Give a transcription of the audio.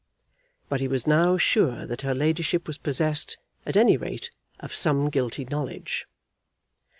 But he was now sure that her ladyship was possessed, at any rate, of some guilty knowledge.